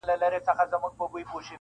د ړانده سړي تر لاسه یې راوړی -